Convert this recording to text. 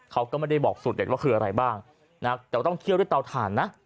เขาก็ไม่ได้บอกสูตรเด็ดว่าคืออะไรบ้างนะแต่ว่าต้องเคี่ยวด้วยเตาถ่านนะ